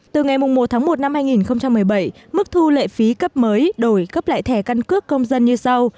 từ ngày một tháng một năm hai nghìn một mươi bảy mức thu lệ phí cấp mới đổi cấp lại thẻ căn cước công dân như sau